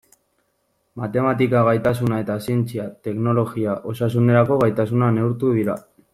Matematika gaitasuna eta zientzia, teknologia, osasunerako gaitasuna neurtu dira.